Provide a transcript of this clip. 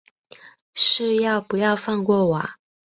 是要不要放过我啊